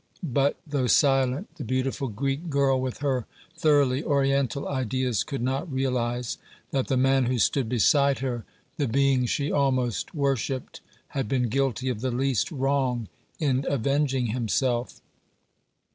But, though silent, the beautiful Greek girl, with her thoroughly oriental ideas, could not realize that the man who stood beside her, the being she almost worshiped, had been guilty of the least wrong in avenging himself.